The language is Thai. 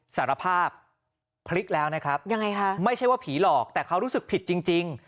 สารภาพพลิกแล้วนะครับยังไงคะไม่ใช่ว่าผีหลอกแต่เขารู้สึกผิดจริง